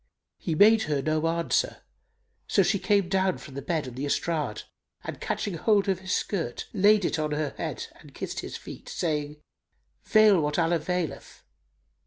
He made her no answer: so she came down from the bed on the estrade; and catching hold of his skirt laid it on her head and kissed his feet, saying, "Veil what Allah veileth!"